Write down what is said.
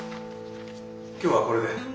今日はこれで。